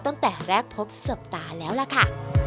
ตั้งแต่แรกพบศพตาแล้วล่ะค่ะ